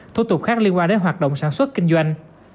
thủ tục khác liên quan đến hoạt động sản xuất kinh doanh